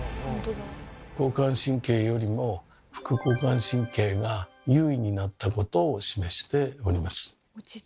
交感神経よりも副交感神経が優位になったことを示しております。